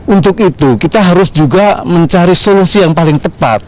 untuk itu kita harus juga mencari solusi yang paling tepat